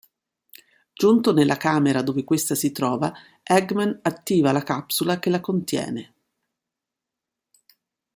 Giunto nella camera dove questa si trova, Eggman attiva la capsula che la contiene.